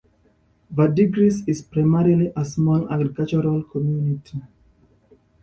Verdigris is primarily a small agricultural community.